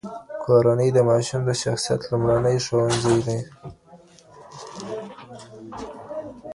کورنۍ د ماشوم د شخصیت لومړنی ښوونځی دی.